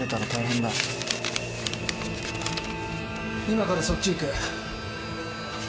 今からそっち行く。